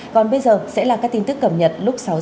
còn bây giờ sẽ là các tin tức cập nhật lúc sáu h